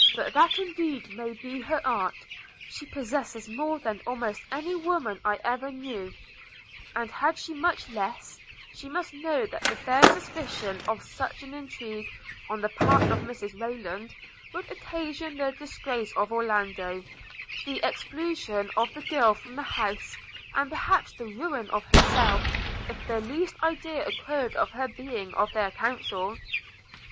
But that indeed may be her art – She possesses more than almost any woman I ever knew; and had she much less, she must know that the bare suspicion of such an intrigue, on the part of Mrs Rayland, would occasion the disgrace of Orlando – the expulsion of the girl from the house – and perhaps the ruin of herself, if the least idea occurred of her being of their counsel.'